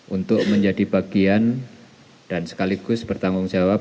untuk menjadi bagian dan sekaligus bertanggung jawab